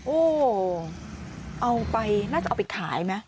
โอ้โหเอาไปน่าจะเอาไปขายไหม